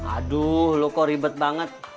aduh lo kok ribet banget